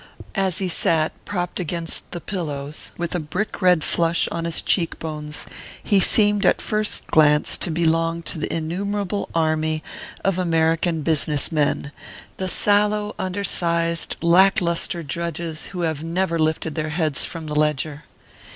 As he sat propped against the pillows, with a brick red flush on his cheek bones, he seemed at first glance to belong to the innumerable army of American business men the sallow, undersized, lacklustre drudges who have never lifted their heads from the ledger.